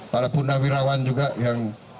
para pundak wirawan juga yang